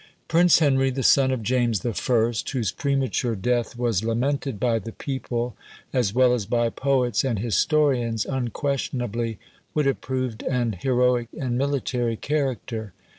Prince Henry, the son of James I., whose premature death was lamented by the people, as well as by poets and historians, unquestionably would have proved an heroic and military character.